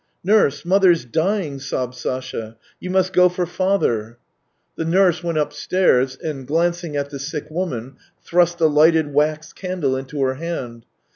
" Nurse, mother's dying !" sobbed Sasha. " You must go for father !..." The nurse went upstairs, and, glancing at the sick woman, thrust a lighted wax candle into her hand.